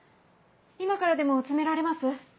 今からでも詰められます？